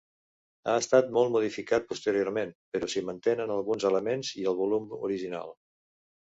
Ha estat molt modificat posteriorment, però s'hi mantenen alguns elements i el volum original.